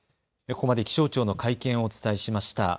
ここまで気象庁の会見をお伝えしました。